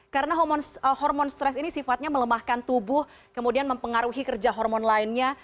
karena hormon stres ini sifatnya melemahkan tubuh kemudian mempengaruhi kerja hormon lainnya